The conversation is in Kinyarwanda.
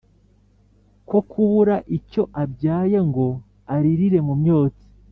Ko kubura icyo abyaye Ngo aririre mu myotsi